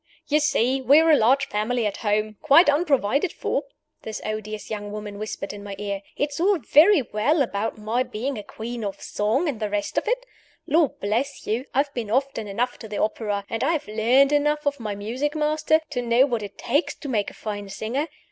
"You see we are a large family at home, quite unprovided for!" this odious young woman whispered in my ear. "It's all very well about my being a 'Queen of Song' and the rest of it. Lord bless you, I have been often enough to the opera, and I have learned enough of my music master, to know what it takes to make a fine singer.